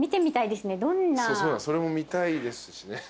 それも見たいですしね。